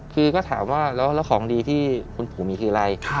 คือก็ถามว่าแล้วของดีที่คุณปู่มีคืออะไร